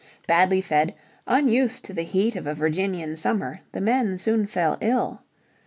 Badly fed, unused to the heat of a Virginian summer the men soon fell ill.